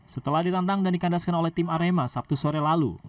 setelah ditantang dan dikandaskan oleh tim arema sabtu sore lalu